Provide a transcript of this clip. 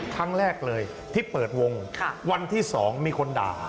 ครั้งแรกเลยที่เปิดวงวันที่๒มีคนด่า